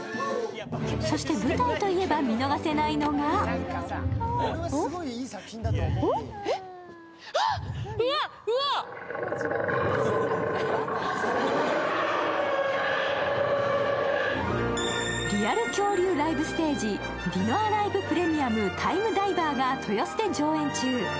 そして舞台といえば見逃せないのがリアル恐竜ライブステージ、「ディノアライブ・プレミアム・タイムダイバー」が豊洲で上演中。